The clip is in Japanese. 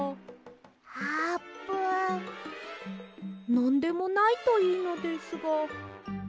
なんでもないといいのですが。